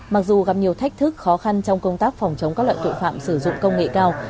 mặc dù gặp nhiều thách thức khó khăn trong công tác phòng chống các loại tội phạm sử dụng công nghệ cao